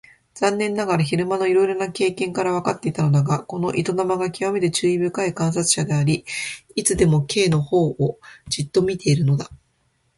残念ながら昼間のいろいろな経験からわかっていたのだが、この糸玉がきわめて注意深い観察者であり、いつでも Ｋ のほうをじっと見ているのだ。